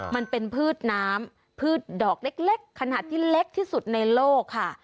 มันเป็นพืชน้ำพืชดอกเล็กขนาดที่เล็กที่สุดในโลกค่ะ